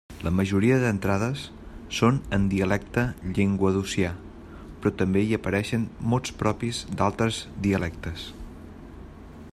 La majoria d'entrades són en dialecte llenguadocià, però també hi apareixen mots propis d'altres dialectes.